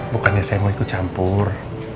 bukannya saya mau ikut campur